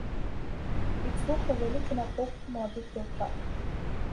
Іх слухаў вялікі натоўп маладых дзяўчат.